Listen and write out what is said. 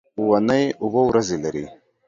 اونۍ اووه ورځې لري.